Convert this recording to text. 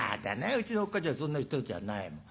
うちのおっかちゃんそんな人じゃないもん。